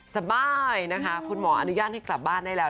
สบายนะคะคุณหมออนุญาตให้กลับบ้านได้แล้ว